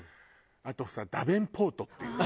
あとさダベンポートっていうね。